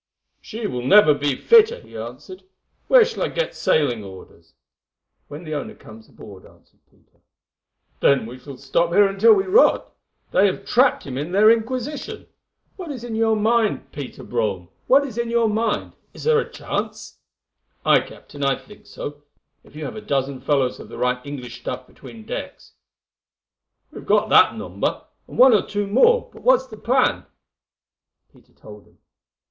"She will never be fitter," he answered. "When shall I get sailing orders?" "When the owner comes aboard," answered Peter. "Then we shall stop here until we rot; they have trapped him in their Inquisition. What is in your mind, Peter Brome?—what is in your mind? Is there a chance?" "Aye, Captain, I think so, if you have a dozen fellows of the right English stuff between decks." "We have got that number, and one or two more. But what's the plan?" Peter told him.